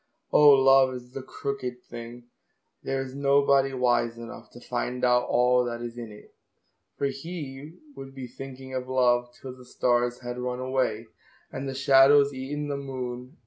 Oh, love is the crooked thing, There is nobody wise enough To find out all that is in it, For he would be thinking of love Till the stars had run away, And the shadows eaten the moon.